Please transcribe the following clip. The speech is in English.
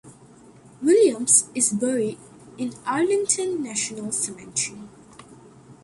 Williams is buried in Arlington National Cemetery.